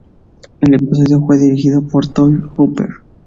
El episodio fue dirigido por Tobe Hooper.